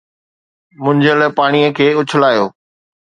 منجهيل پاڻيءَ کي اُڇلايو.